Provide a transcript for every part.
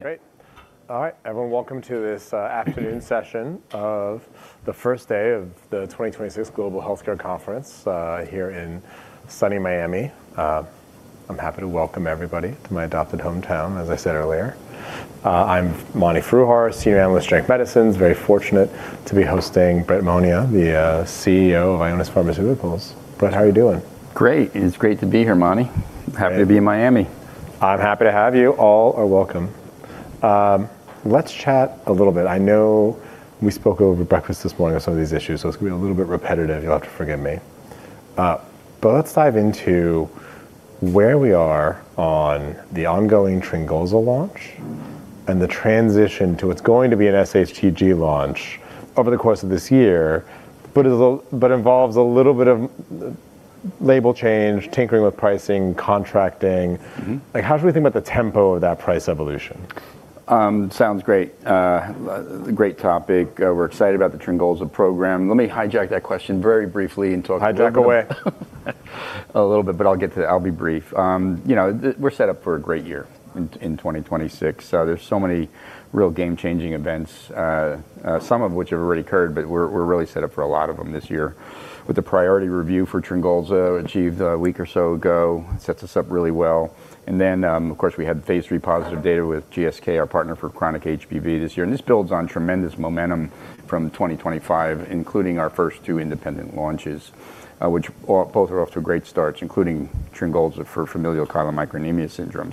Great. All right, everyone, welcome to this afternoon session of the 1st day of the 2026 Global Healthcare Conference here in sunny Miami. I'm happy to welcome everybody to my adopted hometown, as I said earlier. I'm Mani Foroohar, Senior Analyst at Stifel. Very fortunate to be hosting Brett Monia, the CEO of Ionis Pharmaceuticals. Brett, how are you doing? Great. It's great to be here, Mani. Happy to be in Miami. I'm happy to have you. All are welcome. Let's chat a little bit. I know we spoke over breakfast this morning on some of these issues, so it's gonna be a little bit repetitive. You'll have to forgive me. Let's dive into where we are on the ongoing TRYNGOLZA launch and the transition to what's going to be an SHTG launch over the course of this year. Involves a little bit of label change, tinkering with pricing, contracting. Mm-hmm. Like, how should we think about the tempo of that price evolution? Sounds great. Great topic. We're excited about the TRYNGOLZA program. Let me hijack that question very briefly. Hijack away. A little bit, I'll be brief. You know, we're set up for a great year in 2026. There's so many real game-changing events, some of which have already occurred, but we're really set up for a lot of them this year. With the priority review for TRYNGOLZA achieved a week or so ago, sets us up really well. Of course, we had phase III positive data with GSK, our partner for chronic HBV this year. This builds on tremendous momentum from 2025, including our first two independent launches, which both are off to great starts, including TRYNGOLZA for familial Chylomicronemia syndrome.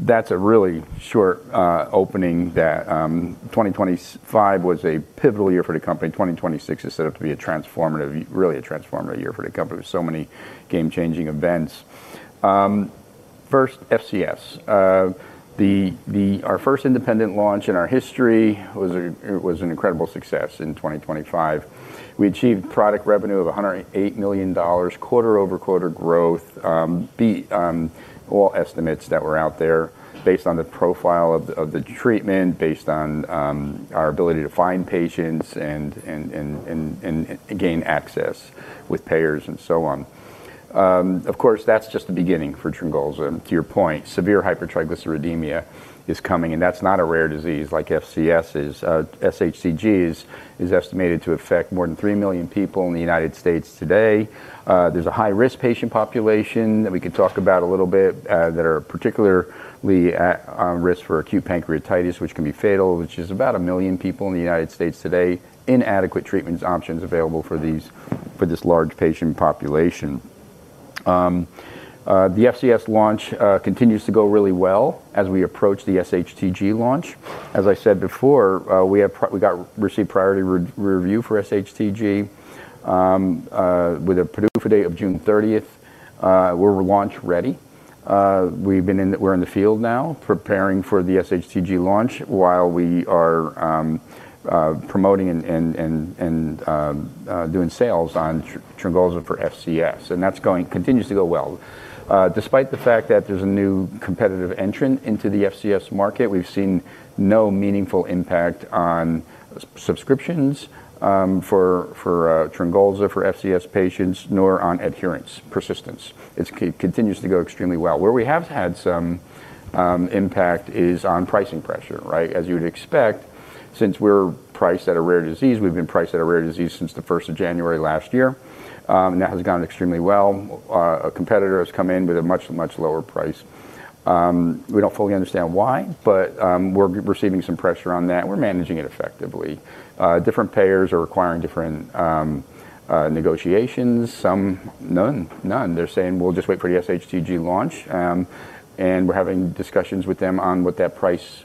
That's a really short opening that 2025 was a pivotal year for the company. 2026 is set up to be a transformative, really a transformative year for the company with so many game-changing events. First, FCS. Our first independent launch in our history was a, it was an incredible success in 2025. We achieved product revenue of $108 million, quarter-over-quarter growth, beat all estimates that were out there based on the profile of the, of the treatment, based on our ability to find patients and gain access with payers and so on. Of course, that's just the beginning for TRYNGOLZA. To your point, severe hypertriglyceridemia is coming. That's not a rare disease like FCS is. SHTG is estimated to affect more than 3 million people in the United States today. There's a high-risk patient population that we can talk about a little bit that are particularly at risk for acute pancreatitis, which can be fatal, which is about 1 million people in the United States today. Inadequate treatment options available for this large patient population. The FCS launch continues to go really well as we approach the SHTG launch. As I said before, we received priority re-review for SHTG with a PDUFA date of June 30th. We're launch-ready. We're in the field now preparing for the SHTG launch while we are promoting and doing sales on TRYNGOLZA for FCS. That continues to go well. Despite the fact that there's a new competitive entrant into the FCS market, we've seen no meaningful impact on subscriptions for TRYNGOLZA for FCS patients, nor on adherence, persistence. It continues to go extremely well. Where we have had some impact is on pricing pressure, right? As you would expect, since we're priced at a rare disease, we've been priced at a rare disease since the 1st of January last year, and that has gone extremely well. A competitor has come in with a much, much lower price. We don't fully understand why, but we're receiving some pressure on that. We're managing it effectively. Different payers are requiring different negotiations. Some none. They're saying, "We'll just wait for the SHTG launch," we're having discussions with them on what that price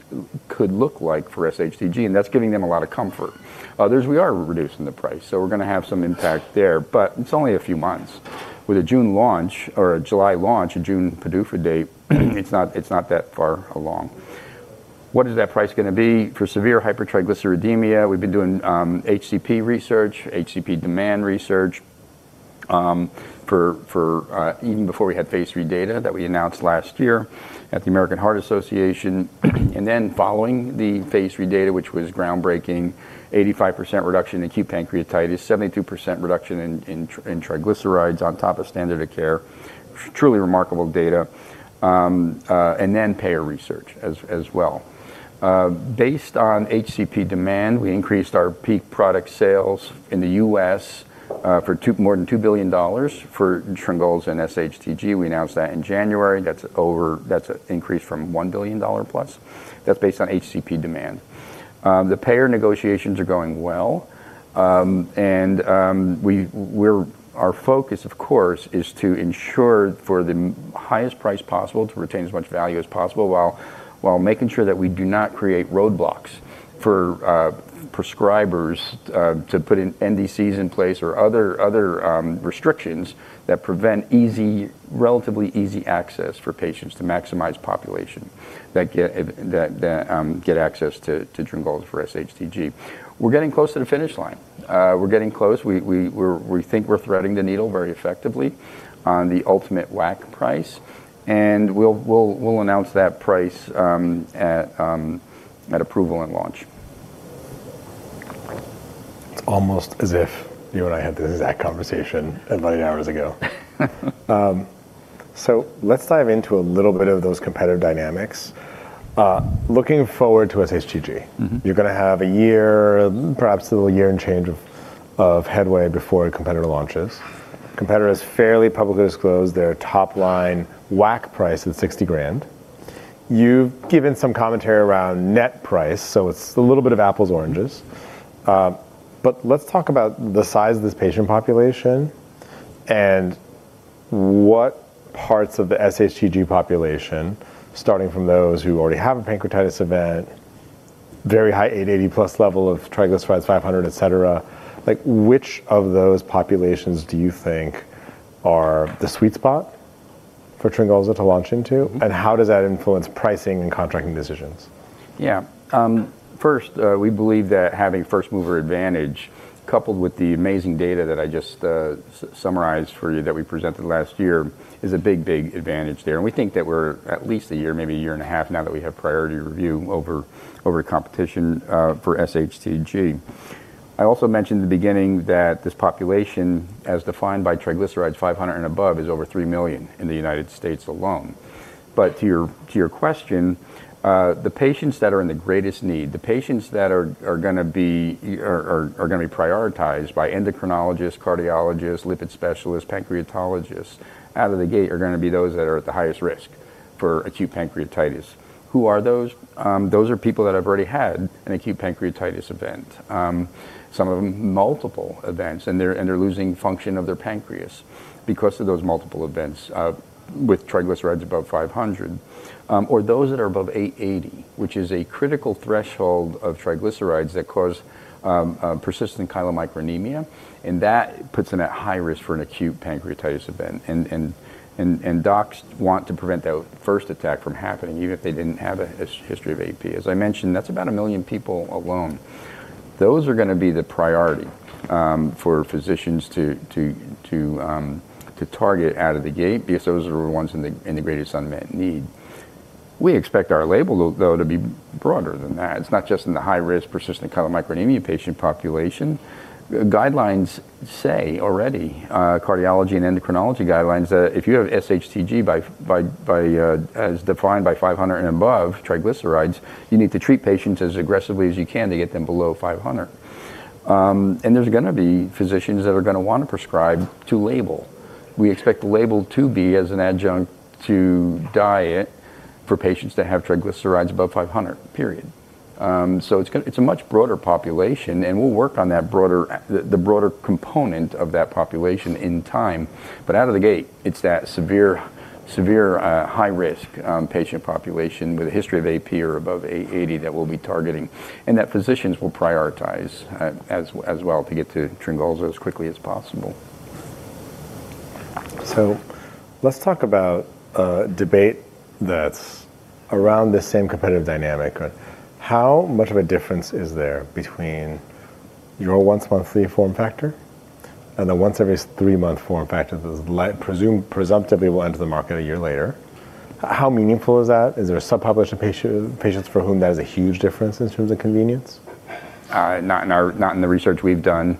could look like for SHTG, and that's giving them a lot of comfort. Others, we are reducing the price, we're gonna have some impact there, it's only a few months. With a June launch or a July launch, a June PDUFA date, it's not that far along. What is that price gonna be? For severe hypertriglyceridemia, we've been doing HCP research, HCP demand research, even before we had phase III data that we announced last year at the American Heart Association. Following the phase III data, which was groundbreaking, 85% reduction in acute pancreatitis, 72% reduction in triglycerides on top of standard of care. Truly remarkable data. Payer research as well. Based on HCP demand, we increased our peak product sales in the U.S. for more than $2 billion for TRYNGOLZA and SHTG. We announced that in January. That's an increase from $1+ billion. That's based on HCP demand. The payer negotiations are going well, and we're our focus, of course, is to ensure for the highest price possible to retain as much value as possible while making sure that we do not create roadblocks for prescribers to put in NDCs in place or other restrictions that prevent relatively easy access for patients to maximize population that get that get access to TRYNGOLZA for SHTG. We're getting close to the finish line. We're getting close. We think we're threading the needle very effectively on the ultimate WAC price, and we'll announce that price at approval and launch. It's almost as if you and I had this exact conversation about eight hours ago. let's dive into a little bit of those competitive dynamics. looking forward to SHTG. Mm-hmm. You're gonna have a year, perhaps a little year and change of headway before a competitor launches. Competitor has fairly publicly disclosed their top-line WAC price at $60,000. You've given some commentary around net price, so it's a little bit of apples, oranges. Let's talk about the size of this patient population and what parts of the SHTG population, starting from those who already have a pancreatitis event, very high 880+ mg/dL level of triglycerides, 500 mg/dL, et cetera. Like, which of those populations do you think are the sweet spot for TRYNGOLZA to launch into? Mm-hmm. How does that influence pricing and contracting decisions? First, we believe that having first-mover advantage coupled with the amazing data that I just summarized for you that we presented last year is a big, big advantage there. We think that we're at least a year, maybe a year and a half, now that we have priority review over competition for SHTG. I also mentioned at the beginning that this population, as defined by triglycerides 500 mg/dL and above, is over 3 million in the United States alone. To your question, the patients that are in the greatest need, the patients that are gonna be prioritized by Endocrinologists, Cardiologists, Lipid specialists, Pancreatologists out of the gate are gonna be those that are at the highest risk for acute pancreatitis. Who are those? Those are people that have already had an acute pancreatitis event, some of them multiple events, and they're losing function of their pancreas because of those multiple events, with triglycerides above 500 mg/dL, or those that are above 880 mg/dL, which is a critical threshold of triglycerides that cause persistent Chylomicronemia, and that puts them at high risk for an acute pancreatitis event. Docs want to prevent that first attack from happening even if they didn't have a history of AP. As I mentioned, that's about 1 million people alone. Those are gonna be the priority for physicians to target out of the gate because those are the ones in the greatest unmet need. We expect our label though to be broader than that. It's not just in the high-risk persistent Chylomicronemia patient population. Guidelines say already, cardiology and endocrinology guidelines, that if you have SHTG by as defined by 500 mg/dL and above triglycerides, you need to treat patients as aggressively as you can to get them below 500 mg/dL. There's gonna be physicians that are gonna wanna prescribe to label. We expect the label to be as an adjunct to diet for patients that have triglycerides above 500 mg/dL, period. It's a much broader population, and we'll work on that broader, the broader component of that population in time. Out of the gate, it's that severe, high-risk patient population with a history of AP or above 880 that we'll be targeting and that physicians will prioritize as well to get to TRYNGOLZA as quickly as possible. Let's talk about a debate that's around this same competitive dynamic. How much of a difference is there between your once-monthly form factor and the once-every-three-month form factor that presumptively will enter the market a year later? How meaningful is that? Is there a subpopulation patients for whom that is a huge difference in terms of convenience? Not in our research we've done.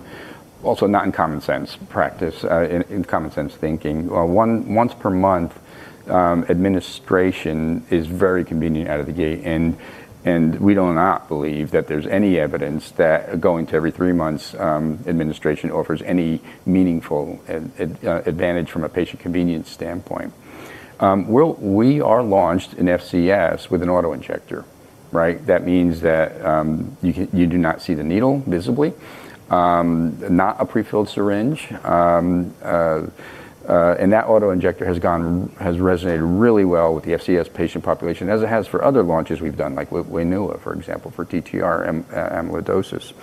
Also not in common sense practice, in common sense thinking. Once-per-month administration is very convenient out of the gate, and we do not believe that there's any evidence that going to every three months' administration offers any meaningful advantage from a patient convenience standpoint. We are launched in FCS with an auto-injector, right? That means that, you do not see the needle visibly, not a prefilled syringe. That auto-injector has resonated really well with the FCS patient population as it has for other launches we've done, like WAINUA, for example, for TTR amyloidosis.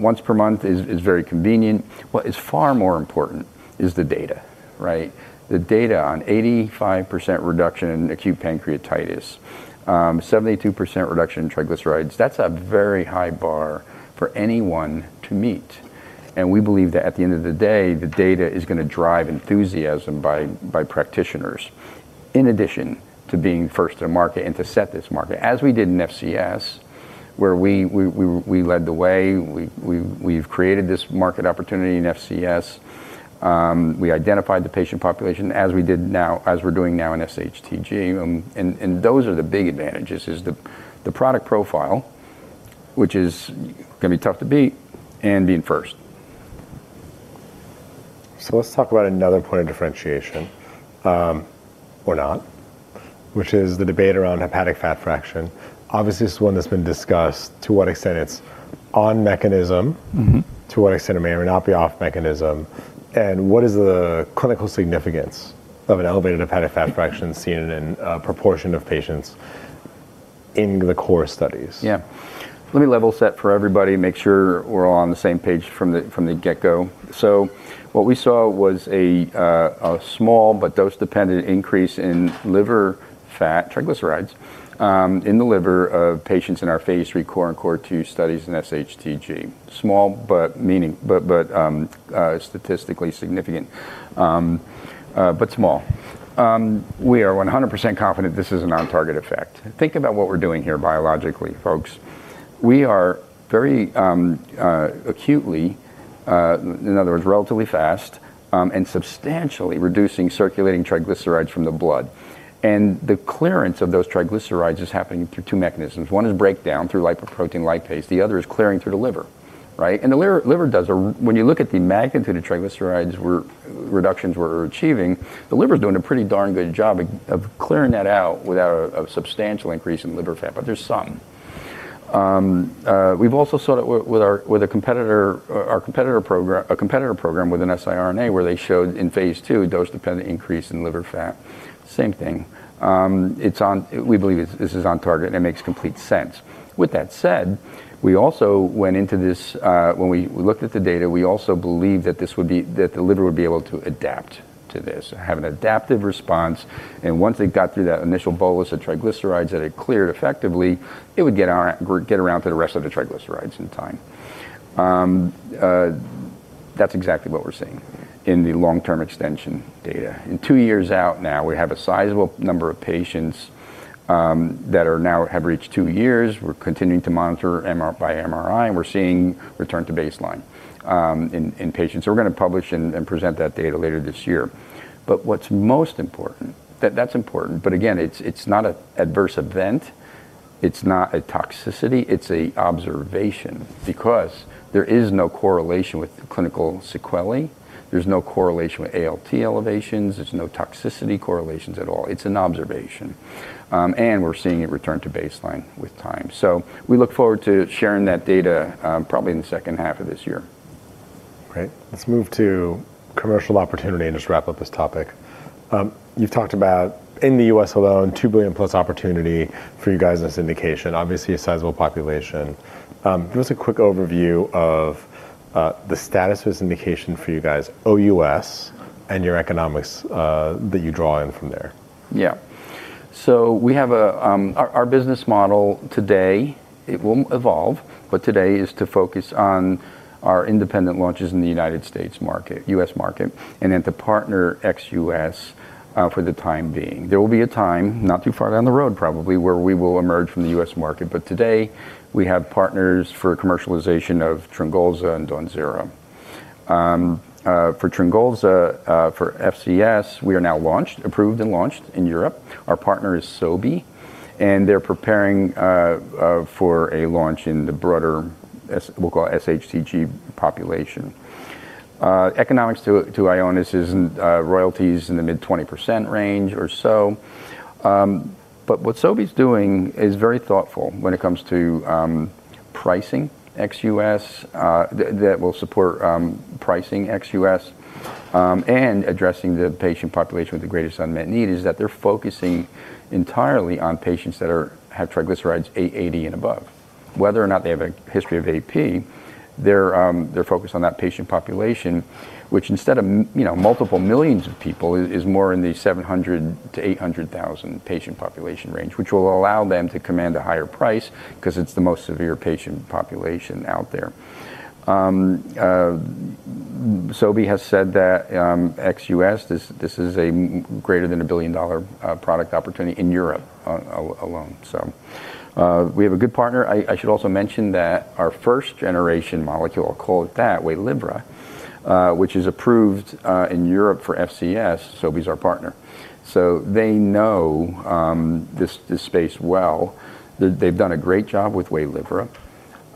Once per month is very convenient. What is far more important is the data, right? The data on 85% reduction in acute pancreatitis, 72% reduction in triglycerides, that's a very high bar for anyone to meet. We believe that at the end of the day, the data is gonna drive enthusiasm by practitioners in addition to being first to market and to set this market, as we did in FCS, where we led the way. We've created this market opportunity in FCS. We identified the patient population as we're doing now in SHTG. Those are the big advantages is the product profile, which is gonna be tough to beat, and being first. Let's talk about another point of differentiation, or not, which is the debate around hepatic fat fraction. Obviously, this is one that's been discussed to what extent it's on mechanism-. Mm-hmm. To what extent it may or may not be off mechanism. What is the clinical significance of an elevated hepatic fat fraction seen in a proportion of patients in the CORE studies? Yeah. Let me level set for everybody, make sure we're all on the same page from the get-go. What we saw was a small but dose-dependent increase in liver fat triglycerides in the liver of patients in our phase III CORE and CORE2 studies in SHTG. Small, but statistically significant, but small. We are 100% confident this is an on-target effect. Think about what we're doing here biologically, folks. We are very acutely, in other words, relatively fast, and substantially reducing circulating triglycerides from the blood. The clearance of those triglycerides is happening through two mechanisms. One is breakdown through lipoprotein lipase. The other is clearing through the liver, right? The liver does a when you look at the magnitude of triglycerides reductions we're achieving, the liver is doing a pretty darn good job of clearing that out without a substantial increase in liver fat, but there's some. We've also saw that with our, with a competitor, our competitor program with an siRNA where they showed in phase II a dose-dependent increase in liver fat. Same thing. We believe this is on target, and it makes complete sense. With that said, we also went into this, when we looked at the data, we also believed that this would be that the liver would be able to adapt to this, have an adaptive response, and once it got through that initial bolus of triglycerides that it cleared effectively, it would get around to the rest of the triglycerides in time. That's exactly what we're seeing in the long-term extension data. In two years out now, we have a sizable number of patients that have reached two years. We're continuing to monitor by MRI, and we're seeing return to baseline in patients. We're gonna publish and present that data later this year. What's most important. That's important, but again, it's not an adverse event. It's not a toxicity. It's a observation because there is no correlation with clinical sequelae. There's no correlation with ALT elevations. There's no toxicity correlations at all. It's an observation. We're seeing it return to baseline with time. We look forward to sharing that data, probably in the second half of this year. Great. Let's move to commercial opportunity and just wrap up this topic. You've talked about in the U.S. alone, $2 billion plus opportunity for you guys in this indication, obviously a sizable population. Give us a quick overview of the status of this indication for you guys OUS and your economics that you draw in from there. Yeah. Our business model today, it will evolve, but today is to focus on our independent launches in the United States market, U.S. Market, and then to partner ex-U.S. for the time being. There will be a time, not too far down the road probably, where we will emerge from the U.S. market. Today, we have partners for commercialization of TRYNGOLZA and DAWNZERA. For TRYNGOLZA, for FCS, we are now launched, approved and launched in Europe. Our partner is Sobi, they're preparing for a launch in the broader we'll call SHTG population. Economics to Ionis is in royalties in the mid-20% range or so. What Sobi's doing is very thoughtful when it comes to pricing ex-U.S., that will support pricing ex-U.S., and addressing the patient population with the greatest unmet need, is that they're focusing entirely on patients that have triglycerides 880 and above. Whether or not they have a history of AP, they're focused on that patient population, which instead of you know, multiple millions of people is more in the 700,000-800,000 patient population range, which will allow them to command a higher price 'cause it's the most severe patient population out there. Sobi has said that ex-U.S., this is a greater than a billion-dollar product opportunity in Europe alone. We have a good partner. I should also mention that our first-generation molecule, I'll call it that, WAYLIVRA, which is approved in Europe for FCS, Sobi is our partner. They know this space well. They've done a great job with WAYLIVRA.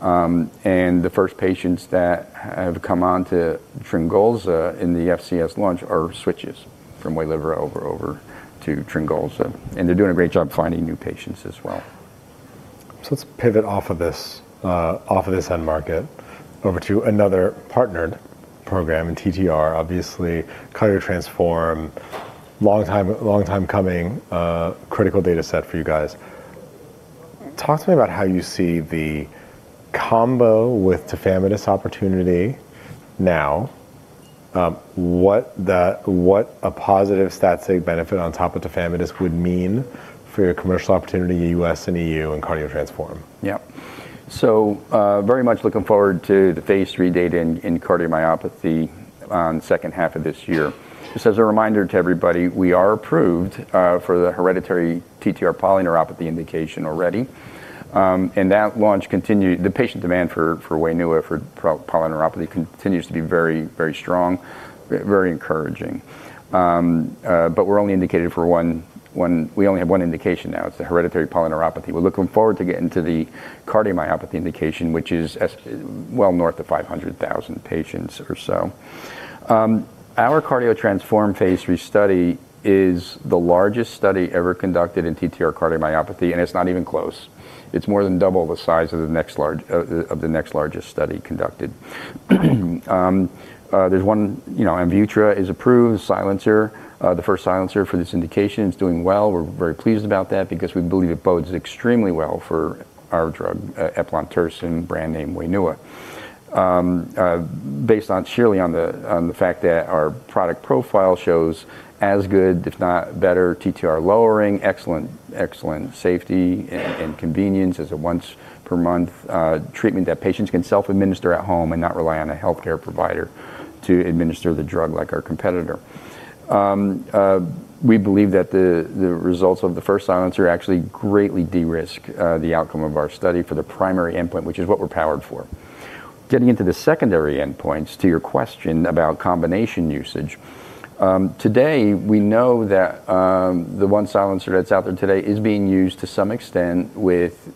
The first patients that have come on to TRYNGOLZA in the FCS launch are switches from AYLIVRA over to TRYNGOLZA, and they're doing a great job finding new patients as well. Let's pivot off of this, off of this end market over to another partnered program in TTR, obviously, CARDIO-TTRansform, long time, long time coming, critical data set for you guys. Talk to me about how you see the combo with Tafamidis opportunity now, what a positive stat sig benefit on top of Tafamidis would mean for your commercial opportunity in U.S., and EU in CARDIO-TTRansform? I'm very much looking forward to the phase III data in cardiomyopathy, second half of this year. Just as a reminder to everybody, we are approved for the hereditary TTR polyneuropathy indication already. The patient demand for WAINUA for polyneuropathy continues to be very, very strong, very encouraging. But we're only indicated for one. We only have one indication now. It's the hereditary polyneuropathy. We're looking forward to getting to the cardiomyopathy indication, which is well north of 500,000 patients or so. Our CARDIO-TTRansform phase III study is the largest study ever conducted in TTR cardiomyopathy, and it's not even close. It's more than double the size of the next largest study conducted. There's one, you know, AMVUTTRA is approved, the silencer, the first silencer for this indication. It's doing well. We're very pleased about that because we believe it bodes extremely well for our drug, Eplontersen, brand name WAINUA. Based on sheerly on the fact that our product profile shows as good, if not better, TTR lowering, excellent safety and convenience as a once per month treatment that patients can self-administer at home and not rely on a healthcare provider to administer the drug like our competitor. We believe that the results of the first silencer actually greatly de-risk the outcome of our study for the primary endpoint, which is what we're powered for. Getting into the secondary endpoints, to your question about combination usage, today, we know that the one silencer that's out there today is being used to some extent with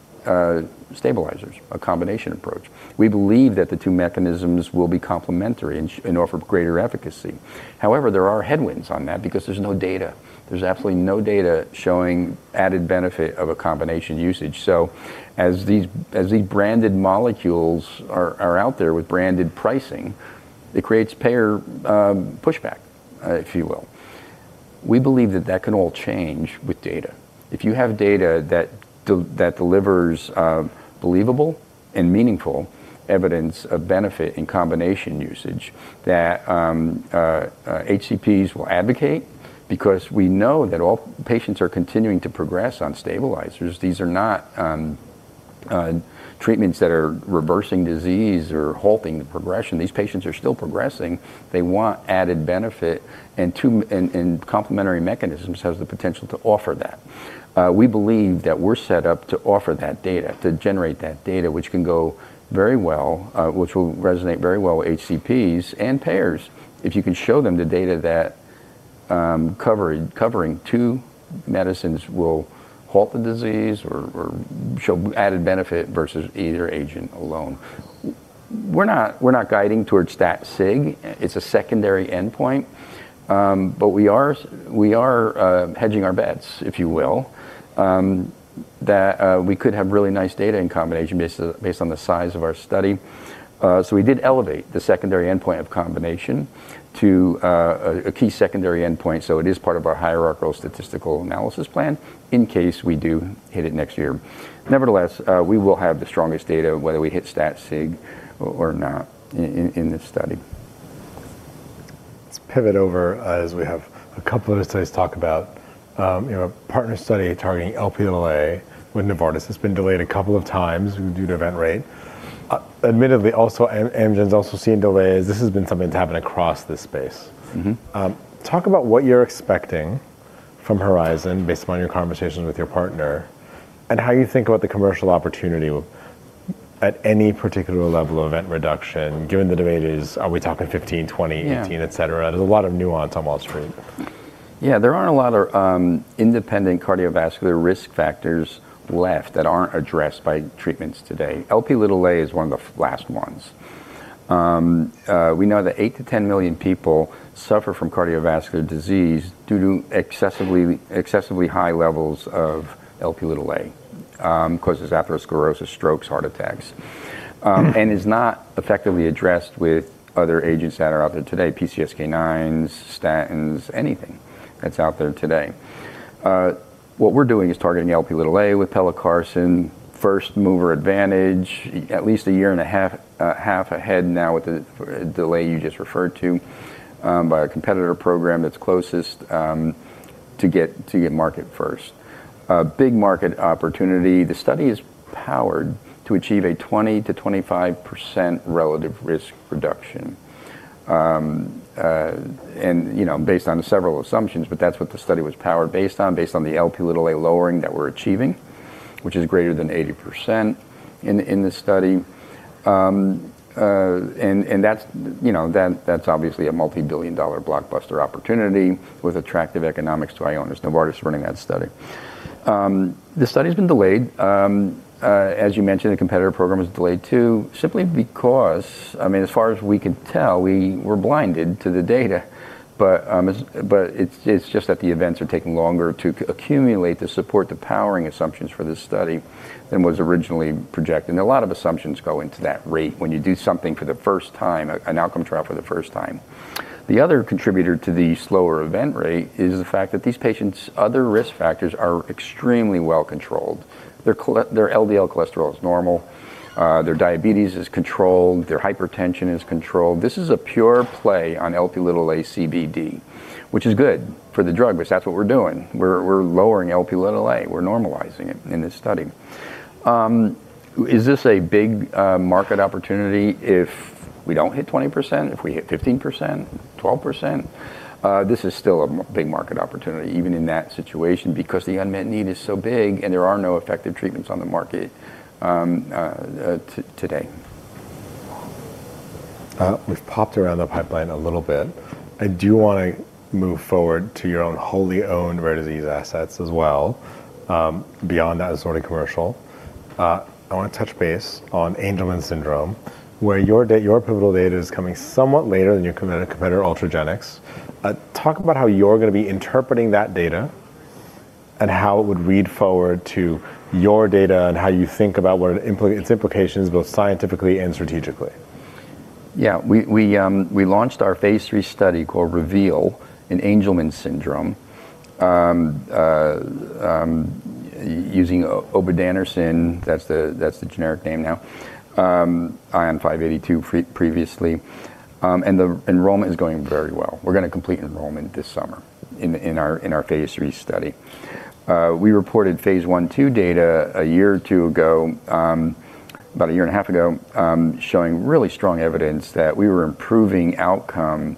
stabilizers, a combination approach. We believe that the two mechanisms will be complementary and offer greater efficacy. However, there are headwinds on that because there's no data. There's absolutely no data showing added benefit of a combination usage. As these branded molecules are out there with branded pricing, it creates payer pushback, if you will. We believe that that can all change with data. If you have data that delivers believable and meaningful evidence of benefit in combination usage, that HCPs will advocate because we know that all patients are continuing to progress on stabilizers. These are not, treatments that are reversing disease or halting the progression. These patients are still progressing. They want added benefit and two complementary mechanisms has the potential to offer that. We believe that we're set up to offer that data, to generate that data, which can go very well, which will resonate very well with HCPs and payers. If you can show them the data that covering two medicines will halt the disease or show added benefit versus either agent alone. We're not guiding towards that sig. It's a secondary endpoint. We are hedging our bets, if you will, that we could have really nice data in combination based on the size of our study. We did elevate the secondary endpoint of combination to a key secondary endpoint, so it is part of our hierarchical statistical analysis plan in case we do hit it next year. We will have the strongest data whether we hit stat sig or not in this study. Let's pivot over as we have a couple other studies talk about, you know, a partner study targeting Lp with Novartis. It's been delayed a couple of times due to event rate. Admittedly, also Amgen's also seen delays. This has been something to happen across this space. Mm-hmm. Talk about what you're expecting from Lp(a) HORIZON based upon your conversations with your partner and how you think about the commercial opportunity at any particular level of event reduction, given the debate is are we talking 15. Yeah... 18, et cetera. There's a lot of nuance on Wall Street. There aren't a lot of independent cardiovascular risk factors left that aren't addressed by treatments today. Lp(a) is one of the last ones. We know that 8 million-10 million people suffer from cardiovascular disease due to excessively high levels of Lp(a), causes atherosclerosis, strokes, heart attacks, and is not effectively addressed with other agents that are out there today, PCSK9s, statins, anything that's out there today. What we're doing is targeting Lp(a) with Pelacarsen, first mover advantage, at least a year and a half ahead now with the delay you just referred to, by a competitor program that's closest to get market first. A big market opportunity. The study is powered to achieve a 20%-25% relative risk reduction. You know, based on several assumptions, but that's what the study was powered based on, based on the Lp(a) lowering that we're achieving, which is greater than 80% in this study. That's, you know, then that's obviously a multi-billion dollar blockbuster opportunity with attractive economics to our owners. Novartis is running that study. The study's been delayed. As you mentioned, the competitor program was delayed too, simply because, I mean, as far as we could tell, we were blinded to the data, but it's just that the events are taking longer to accumulate to support the powering assumptions for this study than was originally projected. A lot of assumptions go into that rate when you do something for the first time, an outcome trial for the first time. The other contributor to the slower event rate is the fact that these patients' other risk factors are extremely well controlled. Their LDL cholesterol is normal. Their diabetes is controlled. Their hypertension is controlled. This is a pure play on Lp(a) CVD, which is good for the drug because that's what we're doing. We're lowering Lp(a). We're normalizing it in this study. Is this a big market opportunity if we don't hit 20%, if we hit 15%, 12%? This is still a big market opportunity even in that situation because the unmet need is so big and there are no effective treatments on the market today. We've popped around the pipeline a little bit. I do wanna move forward to your own wholly owned rare disease assets as well, beyond that assorted commercial. I wanna touch base on Angelman syndrome, where your pivotal data is coming somewhat later than your competitor, Ultragenyx. Talk about how you're gonna be interpreting that data and how it would read forward to your data and how you think about what its implications, both scientifically and strategically. Yeah. We launched our phase III study called REVEAL in Angelman syndrome, using obudanersen. That's the generic name now. ION582 previously. And the enrollment is going very well. We're gonna complete enrollment this summer. In our phase III study. We reported phase I, II data a year or two ago, about a year and a half ago, showing really strong evidence that we were improving outcome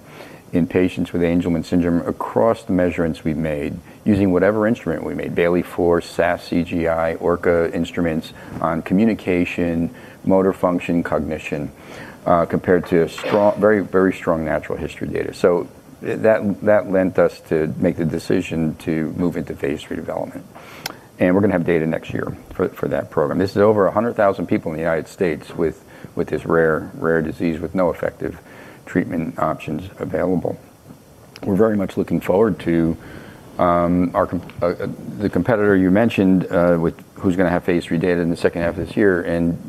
in patients with Angelman syndrome across the measurements we've made using whatever instrument we made, Bayley-4, SAS, CGI, ORCA instruments on communication, motor function, cognition, compared to a very strong natural history data. That lent us to make the decision to move into phase III development. We're gonna have data next year for that program. This is over 100,000 people in the United States with this rare disease with no effective treatment options available. We're very much looking forward to our competitor you mentioned who's gonna have phase III data in the second half of this year.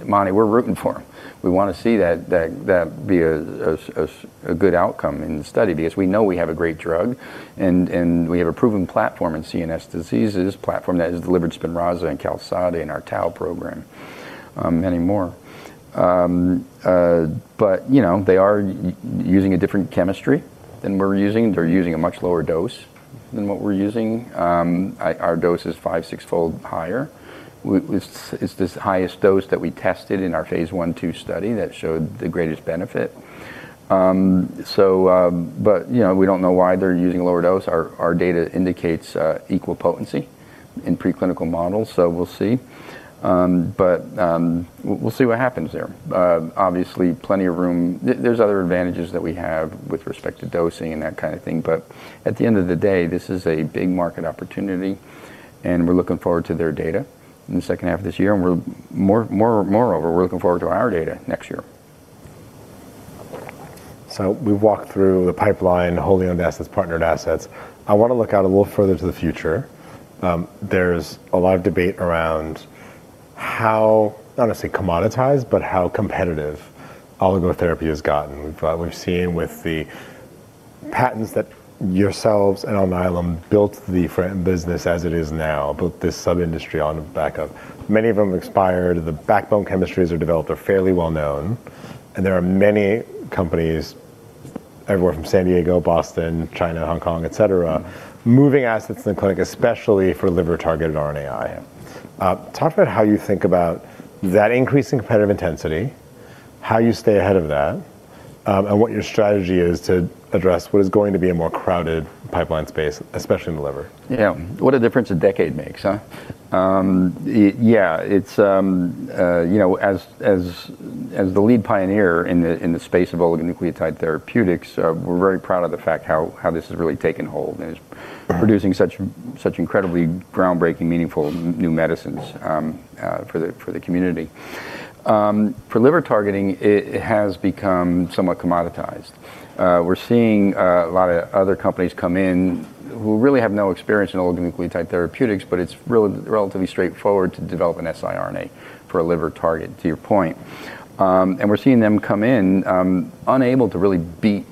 Mani, we're rooting for 'em. We wanna see that be a good outcome in the study because we know we have a great drug and we have a proven platform in CNS diseases, platform that has delivered SPINRAZA and QALSODY in our tau program, many more. You know, they are using a different chemistry than we're using. They're using a much lower dose than what we're using. Our dose is 5, 6-fold higher. It's this highest dose that we tested in our phase I, II study that showed the greatest benefit. you know, we don't know why they're using lower dose. Our data indicates equipotency in preclinical models, so we'll see. we'll see what happens there. Obviously plenty of room. There's other advantages that we have with respect to dosing and that kind of thing. At the end of the day, this is a big market opportunity, and we're looking forward to their data in the second half of this year. We're moreover, we're looking forward to our data next year. We've walked through the pipeline, wholly owned assets, partnered assets. I wanna look out a little further to the future. There's a lot of debate around how, not to say commoditize, but how competitive Oligotherapy has gotten. We've seen with the patents that yourselves and Alnylam built the business as it is now, built this sub-industry on the back of. Many of them expired. The backbone chemistries are developed. They're fairly well known, and there are many companies everywhere from San Diego, Boston, China, Hong Kong, et cetera, moving assets in the clinic, especially for liver-targeted RNAi. Talk about how you think about that increasing competitive intensity, how you stay ahead of that, and what your strategy is to address what is going to be a more crowded pipeline space, especially in the liver. Yeah. What a difference a decade makes, huh? Yeah, it's, you know, as the lead pioneer in the space of oligonucleotide therapeutics, we're very proud of the fact how this has really taken hold and is producing such incredibly groundbreaking, meaningful new medicines for the community. For liver targeting, it has become somewhat commoditized. We're seeing a lot of other companies come in who really have no experience in oligonucleotide therapeutics, it's really relatively straightforward to develop an siRNA for a liver target, to your point. We're seeing them come in, unable to really beat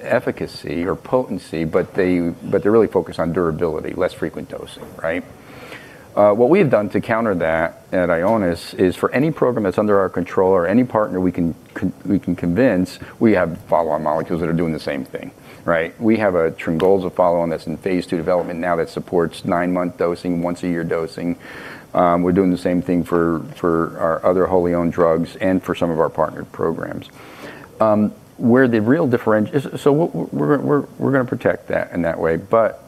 efficacy or potency, but they're really focused on durability, less frequent dosing, right? What we have done to counter that at Ionis is for any program that's under our control or any partner we can convince, we have follow-on molecules that are doing the same thing, right? We have a trio of follow-on that's in phase II development now that supports 9-month dosing, once-a-year dosing. We're doing the same thing for our other wholly owned drugs and for some of our partnered programs. We're gonna protect that in that way, but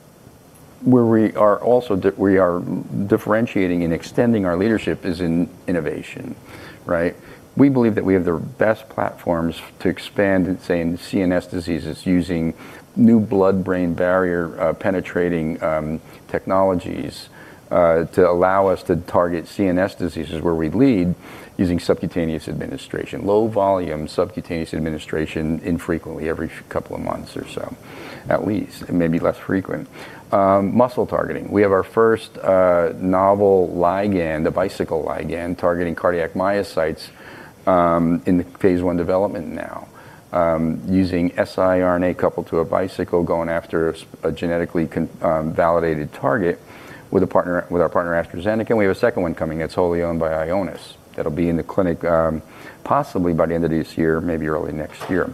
where we are also we are differentiating and extending our leadership is in innovation, right? We believe that we have the best platforms to expand in, say, in CNS diseases using new blood-brain barrier penetrating technologies to allow us to target CNS diseases where we lead using subcutaneous administration, low volume subcutaneous administration infrequently every couple of months or so, at least, it may be less frequent. Muscle targeting, we have our first novel ligand, a Bicycle ligand, targeting cardiac myocytes in the Phase I development now, using siRNA coupled to a bicycle going after a genetically validated target with our partner AstraZeneca. We have a second one coming that's wholly owned by Ionis. That'll be in the clinic possibly by the end of this year, maybe early next year.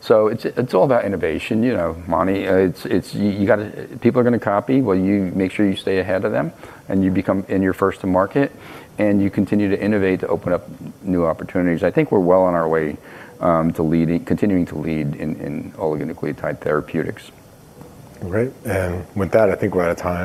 It's all about innovation. You know, Monty, it's, you gotta. People are gonna copy. Well, you make sure you stay ahead of them. You're first to market, and you continue to innovate to open up new opportunities. I think we're well on our way to leading, continuing to lead in oligonucleotide therapeutics. All right. With that, I think we're out of time.